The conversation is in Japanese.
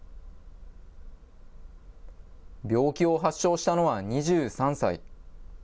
病気を発症したのは２３歳。